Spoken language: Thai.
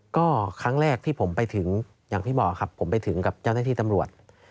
ก็ครั้งแรกที่ผมไปถึงอย่างที่บอกครับผมไปถึงกับเจ้าหน้าที่ตำรวจ